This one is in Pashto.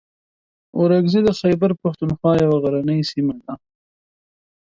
اورکزۍ د خیبر پښتونخوا یوه غرنۍ سیمه ده.